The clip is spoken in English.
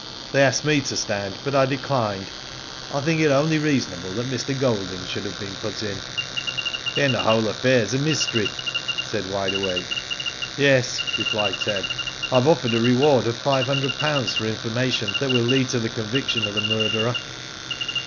They asked me to stand, but I declined. I think it only reasonable that Mr. Golding should have been put in.'* *' Then the whole affair is a mystery," said Wide Awake. " Yes," replied Ted. " I have offered a reward of five hundred pounds for information that will lead to the. conviction of the murderer."